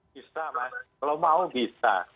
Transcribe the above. bisa mas kalau mau bisa